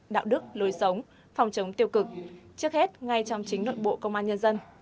đạo đức lối sống phòng chống tiêu cực trước hết ngay trong chính nội bộ công an nhân dân